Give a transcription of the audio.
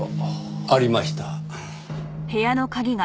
ありました。